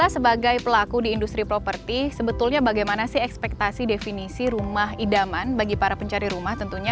sebagai pelaku di industri properti sebetulnya bagaimana sih ekspektasi definisi rumah idaman bagi para pencari rumah tentunya